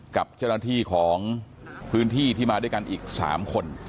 กับเจ้าหน้าที่ของพื้นที่ที่มาด้วยกันอีก๓คน